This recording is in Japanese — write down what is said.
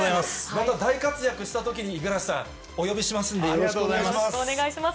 本当、大活躍したときに、五十嵐さん、お呼びしますんで、よろしくお願いします。